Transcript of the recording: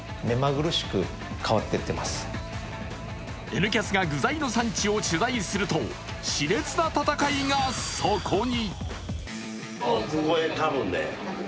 「Ｎキャス」が具材の産地を取材するとしれつな戦いが、そこに。